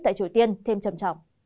tại triều tiên thêm trầm trọng